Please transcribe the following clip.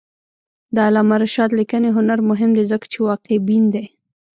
د علامه رشاد لیکنی هنر مهم دی ځکه چې واقعبین دی.